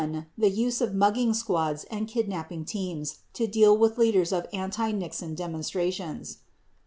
The use of mugging squads and kidnapping teams to deal with leaders of anti Nixon demonstrations ; 2.